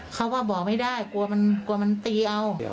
เขาว่าบอกไม่ได้กลัวมันจัดการ